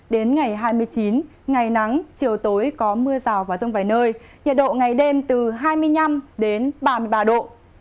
đến ngày hai mươi chín ngày nắng chiều tối có mưa rào và rông vài nơi nhiệt độ ngày đêm từ hai mươi năm đến ba mươi ba độ